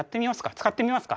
使ってみますか。